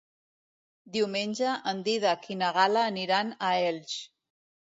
Diumenge en Dídac i na Gal·la aniran a Elx.